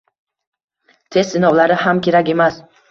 test sinovlari ham kerak emas.